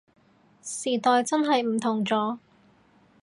時代真係唔同咗